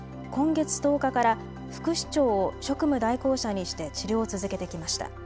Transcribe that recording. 今月１０日から副市長を職務代行者にして治療を続けてきました。